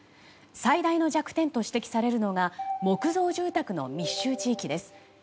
最大の弱点と指摘されるのが木造住宅の密集地域です。